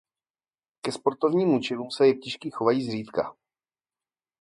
Ke sportovním účelům se jeptišky chovají zřídka.